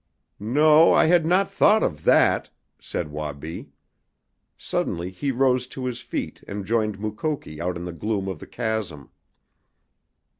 "No, I had not thought of that," said Wabi. Suddenly he rose to his feet and joined Mukoki out in the gloom of the chasm.